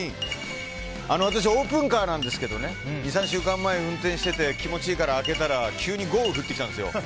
私、オープンカーなんですけど２３週間前、運転していて気持ちいいから開けたら急に豪雨降ってきたんですよ。